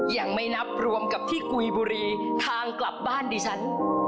ยังไม่นับรวมกับที่กุยบุรีทางกลับบ้านดิฉัน